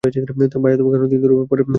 ভাইয়া, তোমাকে অনেক দিন পর দেখে ভালো লাগছে!